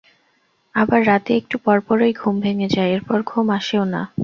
আবার রাতে একটু পরপরই ঘুম ভেঙ্গে যায়, এরপর ঘুম আসেও না।